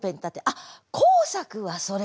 「あっ工作はそれか！」